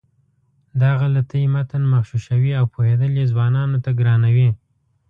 دا غلطۍ متن مغشوشوي او پوهېدل یې ځوانانو ته ګرانوي.